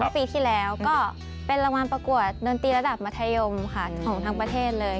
ปีที่แล้วก็เป็นรางวัลประกวดดนตรีระดับมัธยมค่ะของทั้งประเทศเลย